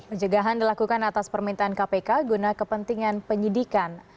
pencegahan dilakukan atas permintaan kpk guna kepentingan penyidikan